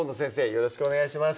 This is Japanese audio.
よろしくお願いします